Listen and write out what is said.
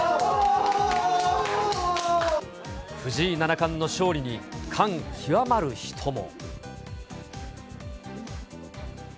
藤井七冠の勝利に感極まる人も。